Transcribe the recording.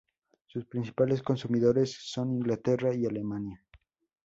Sus principales consumidores son Inglaterra y Alemania.